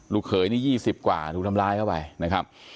ลูกเขยนี่ยี่สิบกว่าถูกทำร้ายเข้าไปนะครับ